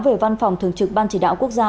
về văn phòng thường trực ban chỉ đạo quốc gia